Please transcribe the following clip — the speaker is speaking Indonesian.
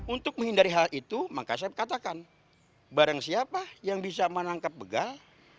untuk menghindari hal itu maka saya katakan barang siapa yang bisa menangkap begal